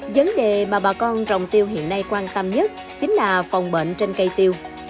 vấn đề mà bà con trồng tiêu hiện nay quan tâm nhất chính là phòng bệnh trên cây tiêu